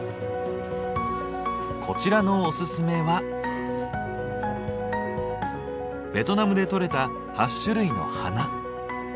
こちらのおすすめはベトナムでとれた８種類の花。